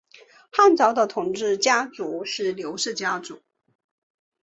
汉朝的统治家族是刘氏家族。